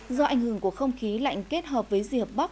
do ảnh hưởng của không khí lạnh kết hợp với dị hợp bóc